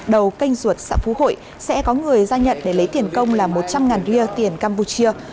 đầu canh ruột xã phú hội sẽ có người ra nhận để lấy tiền công là một trăm linh ria tiền campuchia